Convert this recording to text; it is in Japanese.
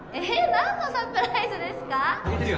何のサプライズですかぁ？